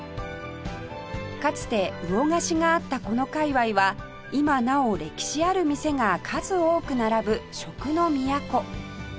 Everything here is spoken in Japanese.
かつて魚河岸があったこの界隈は今なお歴史ある店が数多く並ぶ食の都